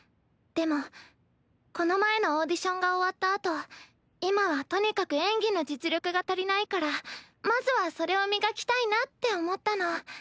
でもこの前のオーディションが終わったあと今はとにかく演技の実力が足りないからまずはそれを磨きたいなって思ったの。